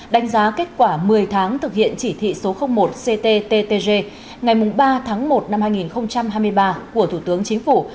đánh giá kết quả một mươi tháng thực hiện chỉ thị số một cttg ngày ba tháng một năm hai nghìn hai mươi ba của thủ tướng chính phủ